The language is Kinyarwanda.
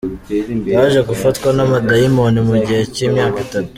Yaje gufatwa n’amadayimoni mu gihe cy’imyaka itatu.